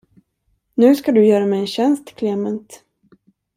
Nu skall du göra mig en tjänst, Klement.